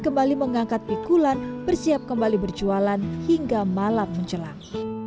kembali mengangkat pikulan bersiap kembali berjualan hingga malam menjelang